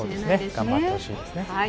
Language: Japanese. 頑張ってほしいですね。